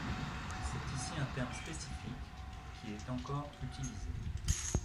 C’est ici un terme spécifique, qui est encore utilisé.